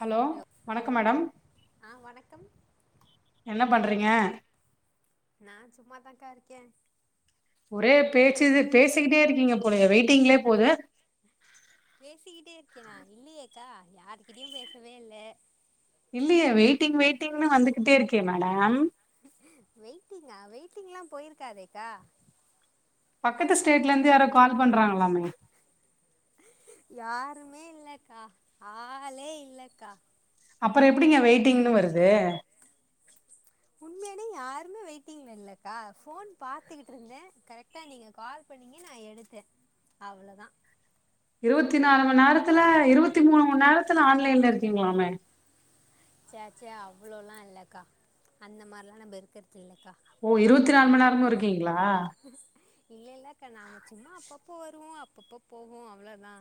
hello வணக்கம் madam ஆ வணக்கம் என்ன பண்றீங்க நான் சும்மாதாக்கா இருக்கேன் ஒரே பேச்சு இது பேசிக்கிட்டே இருக்கீங்க போலயே வெயிட்டிங்லயே போது பேசிக்கிட்டே இருக்கே நா இல்லையேக்கா யாருக்கிட்டையு பேசவே இல்ல இல்லையே வெயிட்டிங் வெயிட்டிங்ன்னு வந்துகிட்டே இருக்கே மேடம் வெயிட்டிங்கா வெயிட்டிங் எல்லாம் போயிருக்காதேக்கா பக்கத்து ஸ்டேட்ல இருந்து யாரோ கால் [unintelligible] பண்றாங்களாமே எதுமே இல்லக்கா ஆளே இல்லக்கா அப்புற எப்படிங்க வெயிட்டிங்னு வருது உண்மையாலே யாருமே வெயிட்டிங்ல இல்லக்கா ஃபோன் பாத்துக்கிட்டு இருந்தே கரெக்டா நீங்க கால் பண்ணீங்க நான் எடுத்தே அவ்ளோதா இருவத்தி நாலு மண் நேரத்துல இருவத்தி மூணு மண் நேரத்துல ஆன்லைன்ல இருக்கீங்ளாமே ச்சே ச்சே அவ்ளோலா இல்லக்கா அந்த மாரிலா நம்ம இருக்குறது இல்லக்கா ஓ இருபத்தி நாலு மணி நேரமு இருக்கீங் ங்ளா இல்ல இல்லக்கா நாம சும்மா அப்பப்போ வருவோ அப் அப்பப்போ போகு அவ்ளோதா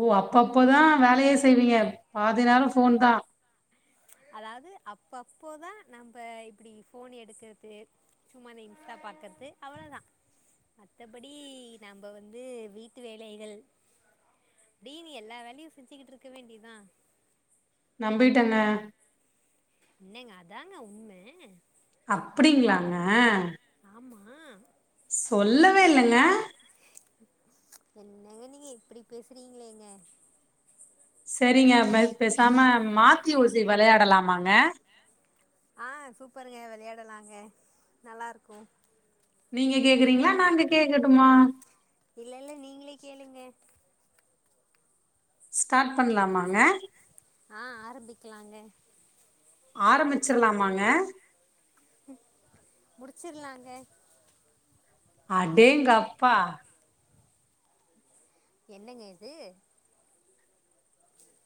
ஓ அப்பப்பதான் வேலயே செய்வீங்க பாதி நேரம் ஃபோன் தான் அதாவது அப்பப்போதா நம்ப இப்டி ஃபோன் எடுக்குறது சும்மா அந்த இன்ஸ்டா பாக்குறது அவ்வளவுதா மத்தபடி நம்ப வந்து வீட்டு வேலைகள் மீதி எல்லா வேலையு செஞ்சுக்கிட்டு இருக்க வேண்டியதுதா நம்பிட்டேங்க என்னங்க அதாங்க உண்ம அப்படிங்களாங்க ஆமா சொல்லவே இல்லங்க என்னங்க நீங்க இப்டி பேசுறீங்களே ஏங்க சரிங்க பேசாம மாத்தி யோசி விளையாடலாமாங்க ஆஹ் சூப்பருங்க வெளையாடலாங்க நல்லா இருக்கும் நீங்க கேக்குறீங்களா நாங்க கேக்கட்டுமா இல்ல இல்ல நீங்களே கேளுங்க ஸ்டார்ட் பண்ணலாமாங்க ஆஹ் ஆரம்பிக்கலாங்க ஆரம்பி மிச்சர்லாமாங்க முடிச்சிர்லாங்க அடேங்கப்பா என்னங்க இது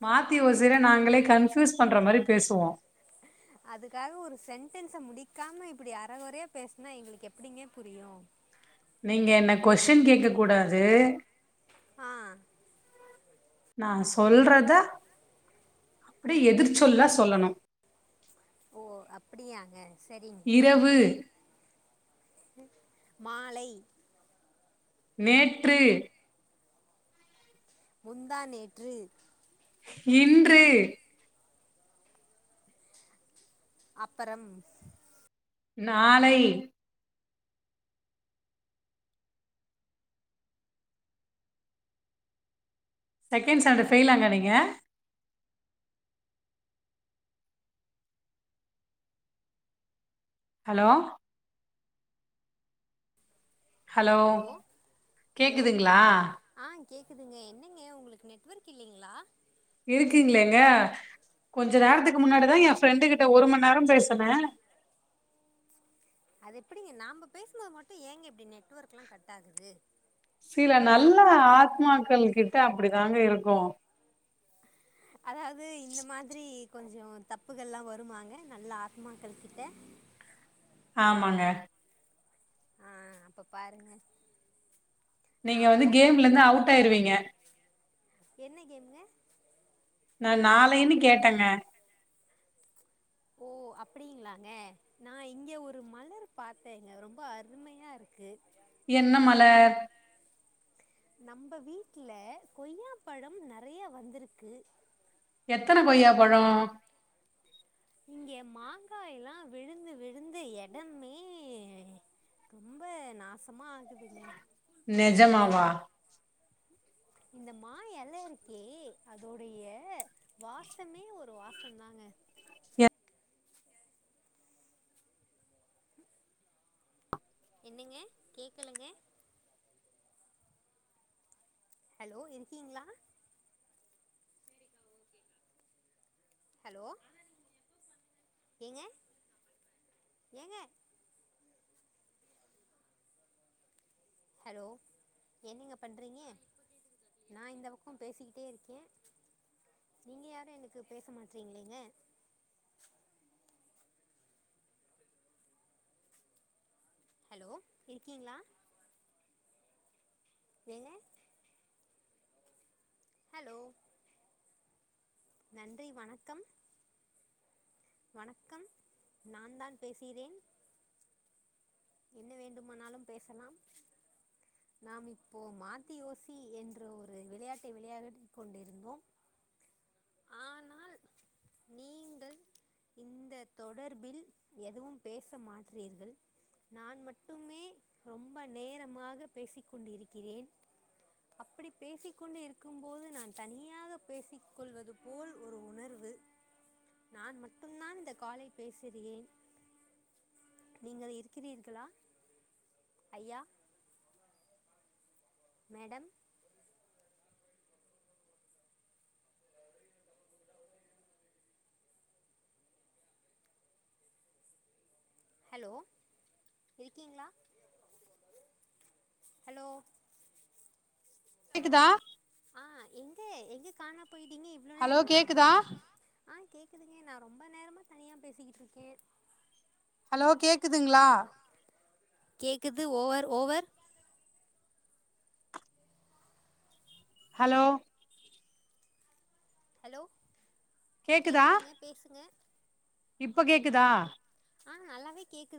மாத்தி ஓசிர நாங்களே கன்ஃப்யூஸ் பண்ற மாரி பேசுவோம் அதுக்காக ஒரு சென்டென்ஸ முடிக்காம இப்டி அரகொறயா பேசுனா எங்களுக்கு எப்படிங்க புரியு நீங்க என்ன கொஸ்ட்டின் கேக்க கூடாது ஆஹ் நான் சொல்றத அப்டி எதிர்ச் சொல்லா சொல்லணு ஓ அப்படியாங்க சரிங்க இரவு நீ மாலை நேற்று முந்தானேற்று இன்று அப்பறம் நாளைய் செகண்ட் ஸ்டாண்டர்ட் ஃபெயிலாங்க நீங்க ஹலோ ஹலோ ஹலோ கேக்குதுங்ளா ஆ கேக்குதுங்க என்னங்க உங்களுக்கு நெட்வொர்க் இல்லிங்ளா இருக்கீங்களேங்க கொஞ்ச நேரத்துக்கு முன்னாடிதா என் ஃப்ரெண்டு கிட்ட ஒரு மணி நேரோ பேசுனே அது எப்டிங்க நாம்ப பேசும்போது மட்டு ஏங்க இப்டி நெட்வொர்க் எல்லா கட் ஆகுது சில நல்ல ஆத்மாக்கள் கிட்ட அப்படி தாங்க இருக்கு அதாவது இந்த மாதிரி கொஞ்சோ தப்புகள்லா வருமாங்க நல்ல ஆத்மாக்கள் கிட்ட ஆமாங்க ஆஹ் அப்ப பாருங்க நீங்க வந்து நாமல்லா கேம்ல இருந்து அவுட் என்னைக்குமே ஆயிருவிங்க என்ன கேம்ங்க நா நாளைன்னு கேட்டங்க ஓ அப்படிங்களாங்க நான் இங்க ஒரு மலர் பாத்தேங்க ரொம்ப அருமையா இருக்கு என்ன மலர் நம்ம வீட்ல கொய்யா பழம் நறையா வந்திருக்கு எத்தன கொய்யா பழோ இங்க மாங்கா எல்லா விழுந்து விழுந்து எடமே ரொம்ப நாசமா ஆகுதுங்க நெஜமாவா இந்த மா எல இருக்கே அதோடைய வாசமே ஒரு வாசோந்தாங்க எ- என்னங்க கேக்கலங்க ஹலோ இருக்கீங்ளா ஹலோ [inaudible] ஏங்க ஏங்க ஹலோ என்னங்க பண்றீங்க நான் இந்த பக்கம் பேசிக்கிட்டே இருக்கே நீங்க யாரும் எனக்கு பேச மாட்டறீங்களேங்க ஹலோ இருக்கீங்ளா என்ன ஹலோ நன்றி வணக்கம் வணக்கம் நான் தான் பேசுறேன் என்ன வேண்டுமானாலும் பேசலாம் நாம் இப்போ மாத்தி யோசி என்ற ஒரு விளையாட்டை விளையாடி கொண்டிருந்தோம் ஆனால் நீங்கள் இந்த தொடர்பில் எதுவும் பேச மாற்றீர்கள் நான் மட்டுமே ரொம்ப நேரமாக பேசிக் கொண்டு இருக்கிறேன் அப்படி பேசிக் கொண்டு இருக்கும் போது நான் தனியாக பேசிக் கொள்வது போல் ஒரு உணர்வு நான் மட்டும் தான் இந்த காலை பேசுகிறேன் நீங்கள் இருக் இருக்கிறீர்களா ஐயா மேடம் ஹலோ இருக்கீங்ளா ஹலோ கேக்குதா ஹ எங்க எங்க கானோ போயிட்டீங்க இவ்ளோ நேரமா கேக்குதா ஆ கேக்குதுங்க நான் ரொம்ப நேரமா தனியா பேசிக்கிட்டு இருக்கேன் ஹலோ கேக்குதுங்லா கேக்குது ஓவர் ஓவர் ஹலோ ஹலோ கேக்குதா கேக்குதுங்க பேசுங்க இப்ப கேக்குதா ஆஹ் நல்லாவே கேக்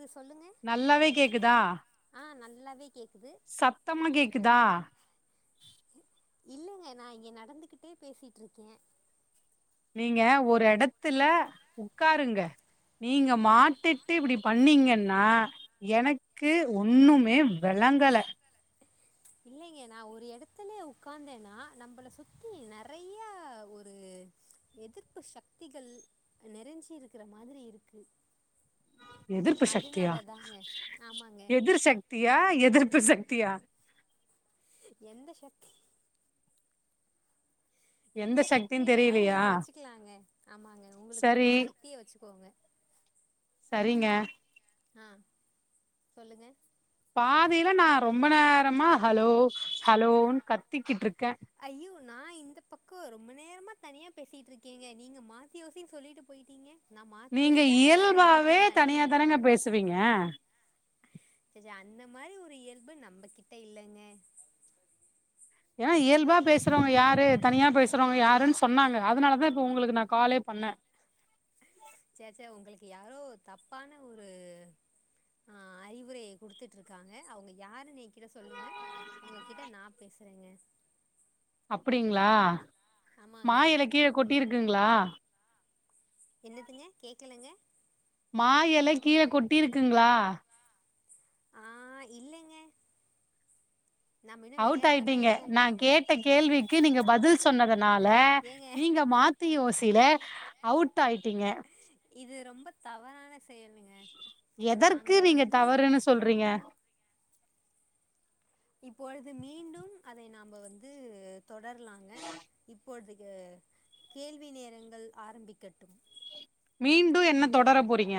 நல்லாவே கேக்குதா ல்லவி சப்தமா கேக் க்குதா இல்லைங்க நா இங்க நடந்துக்கிட்டே பேசிட்ருக்கே நீங்க ஒரு எடத்துல உக்காருங்க நீங்க மாட்டிட்டு இப்டி பண்ணீங்கன்னா எனக்கு ஒண்ணுமே வெளங்கள இல்லிங்க நான் ஒரு எடத்துல உக்காந்தேன்னா நம்பள சுத்தி நறைய ஒரு எதிர்ப்பு சக்திகள் நெறஞ்சி இருக்கிற மாதிரி இருக்கு எதிர்ப்பு சக்தியா அதுனால தாங்க ஆமாங்க எதிர்சக்தியா எதிர்ப் ப்பு சக்தியா எந்த சக்தி எந்த சக்தி சக்தின்னு வேணாலு தெரியலையா நீங்க வச்சுக்கலாங்க ஆமாங்க உங்களுக்கு சரி புடிச்ச சக்திய வச்சுக்கோங்க சரிங்க ஆஹ் சொல்லுங்க பாதியில நான் ரொம்ப நேரமா ஹலோ ஹலோன்னு கத்திக்கிட்டு இருக்கே ஐயோ நான் இந்த பக்கம் ரொம்ப நேரமா தனியா பேசிட்டு இருக்கேங்க நீங்க மாத்தியோசினு சொல்லிட்டு போயிட்டீங்க நா மாத்தி நீங்க ஓசி தா வெளையாடிக்கிட்ருக்கே இயல்பாவே தனியா தனியாதானுங்க பேசுவீங்க ச்சே அந்த மாரி ஒரு இயல்பு நம்ம கிட்ட இல்லங்க ஏன் இயல்பா பேசுறவங்க யாரு தனியா பேசுறவங்க யாருன்னு சொன்னாங்க அதனாலதா இப்ப உங்களுக்கு நான் காலே பண்ணே சேச்சே உங்களுக்கு யாரோ தப்பான ஒரு ஆ அறிவுரை குடுத்துட்டு இருக்காங்க அவங்க யாருனு என்கிட்ட சொல்லுங்க அவங்க கிட்ட நான் பேசுறேங்க அப்படிங்களா மா ஆமாங்க எல கீழ கொட்டிருக்ங்களா என்னதுங்க கேக்கலங்க மா எல கீழே கொட்டிருக்குங்களா ஆஹ் இல்லைங்க நம்ம இன்னு அவுட் வெளையாட்ல தா ஆயிட்டீங்க நா இருக்கோமா கேட்ட கேள்விக்கு நீங்க பதில் சொன்னதுனால ஏங்க நீங்க மாத்தி யோசி [unintelligible] அவுட் ஆயிட்டீங்க இது ரொம்ப தவறான செயலுங்க எதற்கு நாங்க நீங்க வந்து தவறுன்னு சொல்றீங்க இப்பொழுது மீண்டும் அதை நாம வந்து தொடரலாங்க இப்பொழுது கேள்வி நேரங்கள் ஆரம்பிக்கட்டும் மீண்டும் என்ன தொடர போறீங்க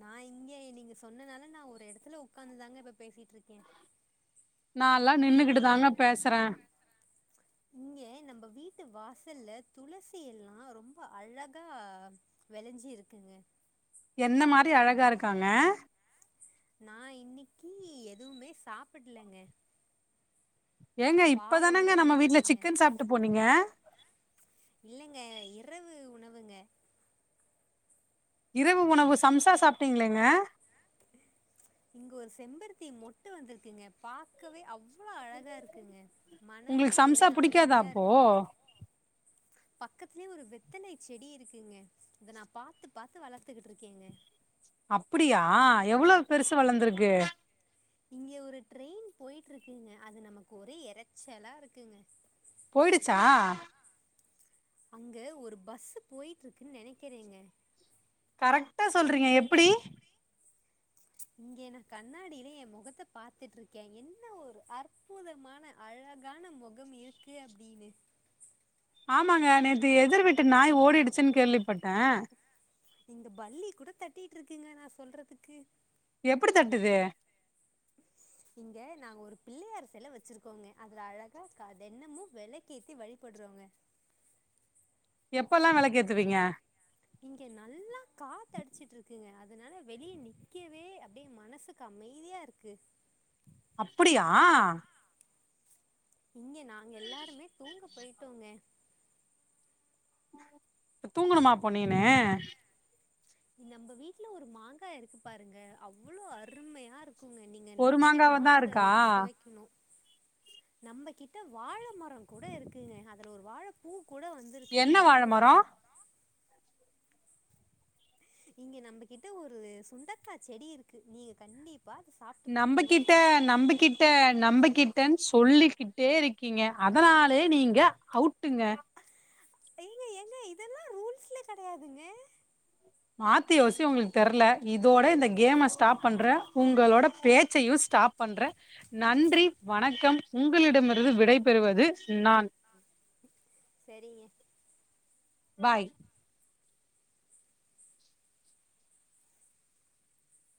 நா இங்க நீங்க சொன்னனால நா ஒரு இடத்துல ஒக்காந்துதாங்க இப்ப பேசிட்டு இருக்கே நான்லா நின்னுகிட்டு தாங்க பேசுறேன் இங்க நம்ம வீட்டு வாசல்ல துளசி எல்லாம் ரொம்ப அழகா வெளஞ்சு இருக்குங்க என்ன மாரி அழகா இருக்காங்க நான் இன்னைக்கி எதுவுமே சாப்பிடலங்க ஏங்க இப்பதானங்க பாலோட நம்ம வீட்ல முடிச்சுட்டேங்க சிக்கன் போனீங்க சாப்ட்டு போனீங்க இல்லங்க இரவு உணவு ங்க இரவு உணவு சம்சா சாப்பிட்டீங்களேங்க இங்க ஒரு செம்பருத்தி மொட்டு வந்திருக்குங்க பாக்கவே அவ் அவ்ளவு அழகா இருக்குங்க மனமே உங்களுக்கு ஒரே சம்சா புடிக்காதா அமைதியா அப்போ இருக்குங்க பக்கத்துலயே ஒரு வெத்தலை செடி இருக்குங்க இத நான் பாத்து பாத்து வளத்துகிட்டு இருக்கேங்க அப்படியா எவ்வளவு பெருசு வளந்துருக்கு இங்க ஒரு ட்ரெயின் போயிட்டு இருக்குங்க அது நமக்கு ஒரே எரச்சலா இருக்குங்க போயிடுச்சா அங்க ஒரு பஸ் போயிட்டு இருக்குன்னு நெனைக்கிறேங்க கரெக்டா சொல்றீங்க எப்டி இங்க நா கண்ணாடியில என் மொகத்த பாத்துட்ருக்கே என்ன ஒரு அற்புதமான அழகான மொகம் இருக்கு அப்படின்னு ஆமாங்க நேத்து எதிர் விட்டு நாய் ஓடிடுச்சுன்னு கேள்விப்பட்டே இந்த பல்லி கூட தட்டிட்டு இருக்குங்க நான் சொல்றதுக்கு எப்பிடி தட்டுது இங்க நாங்க ஒரு பிள்ளையார் செல வச்சிருக்கோங்க அதுல அழகா க தெனமு வெளக்கு ஏத்தி வழிபடுறோங்க எப்பல்லாம் வெளக்கேத்துவீங்க இங்க நல்லா காத்தடிச்சுட்டு இருக்குங்க அதனால வெளிய நிக்கவே அப்டியே மனசுக்கு அமைதியா இருக்கு அப்படியா இங்க நாங்க எல்லாருமே தூங்க போயிட்டோங்க ப்ப தூங்கணுமா அப்ப நீனு நம்ப வீட்ல ஒரு மாங்கா இருக்கு பாருங்க அவ்ளோ அருமையா இருக் ஒரு மாங்காவ தான் இருக்கா நம்மகிட்ட வாழை மரம் கூட இருக்குங்க அதுல ஒரு வாழைப்பூ என்ன வாழை மரம் இங்க நம்மகிட்ட ஒரு சுண்டக்கா செடி இருக்கு நீங்க கண்டிப் நம்பகிட்ட நம்பகிட்ட நம்பகிட் டேன் சொல்லிக்கிட்டே இருக்கீங்க அதனாலே நீங்க அவுட்டுங்க ஏங்க ஏங்க இதெல்லாம் ரூல்ஸ்ல கிடையாதுங்க மாத்தியோசி உங்களுக்கு தெர்ல இதோட இந்த கேம ஸ்டாப் பண்ற உங்களோட பேச்சையும் ஸ்டாப் பண்ற நன்றி வணக்கம் உங்களிடமிருந்து விடைபெறுவது செரிங்க பாய்